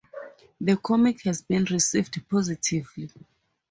The comic has been received positively.